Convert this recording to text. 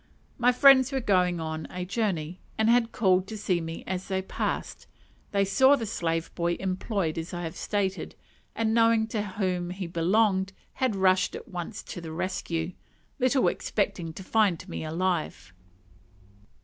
My friends were going on a journey, and had called to see me as they passed. They saw the slave boy employed as I have stated, and knowing to whom he belonged had rushed at once to the rescue, little expecting to find me alive.